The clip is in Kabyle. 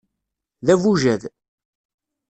D abujad.